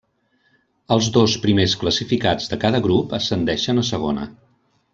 Els dos primers classificats de cada grup ascendeixen a Segona.